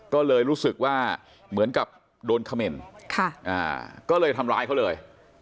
ก็เลยรู้สึกว่าเหมือนกับโดนเขม่นก็เลยทำร้ายเขาเลย